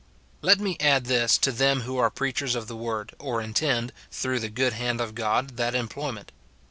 Let me add this to them who are preachers of the word, or intend, through the good hand of God, that employ ment.